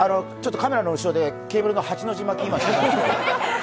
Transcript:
カメラの後ろでケーブルの８の字巻きを今。